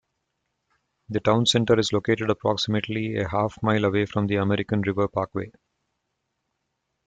The town center is located approximately a half-mile away from the American River Parkway.